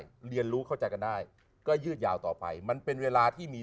เรียนรู้เข้าใจกันได้ก็ยืดยาวต่อไปมันเป็นเวลาที่มี